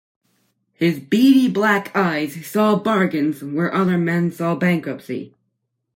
His beady black eyes saw bargains where other men saw bankruptcy.